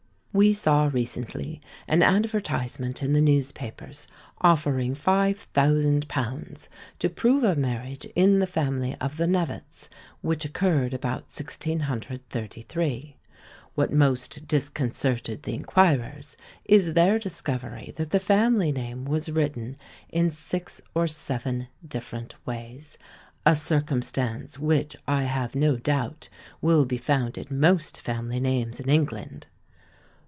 We saw recently an advertisement in the newspapers offering five thousand pounds to prove a marriage in the family of the Knevetts, which occurred about 1633. What most disconcerted the inquirers is their discovery that the family name was written in six or seven different ways: a circumstance which I have no doubt will be found in most family names in England.